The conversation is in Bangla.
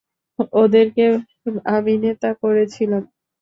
ওদেরকে আমি নেতা করেছিলাম।